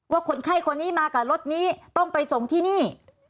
คนไข้คนนี้มากับรถนี้ต้องไปส่งที่นี่